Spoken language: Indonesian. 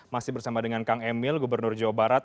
masih bersama dengan kang emil gubernur jawa barat